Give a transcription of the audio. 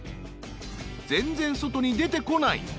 ［全然外に出てこない］